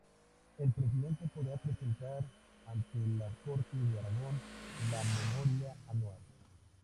El Presidente podrá presentar ante las Cortes de Aragón la memoria anual.